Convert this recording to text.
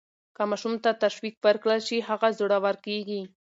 که ماشوم ته تشویق ورکړل شي، هغه زړور کیږي.